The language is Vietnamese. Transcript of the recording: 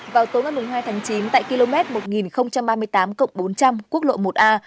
vào tối ngày hai tháng chín tại km một nghìn ba mươi tám cộng bốn trăm linh quốc lộ một a